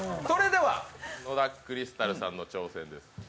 それでは野田クリスタルさんの挑戦です